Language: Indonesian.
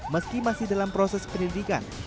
meski masih dalam proses penyelidikan